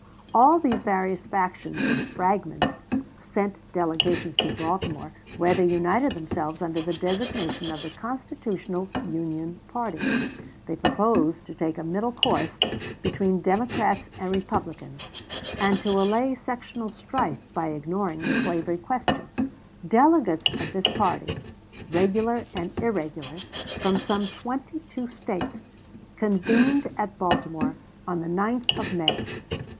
All these various factions and fragments sent delegations to Baltimore, where they united themselves under the designation of the Constitutional Union Party. They proposed to take a middle course between Democrats and Republicans, and to allay sectional strife by ignoring the slavery question. 1860. Delegates of this party, regular and irregular, from some twenty two States, convened at Baltimore on the 9th of May.